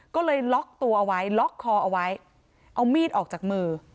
ก็เลยล็อกตัวเอาไว้ล็อกคอเอาไว้เอามีดออกจากมือ